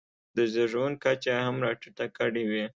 د زېږون کچه یې هم راټیټه کړې وي.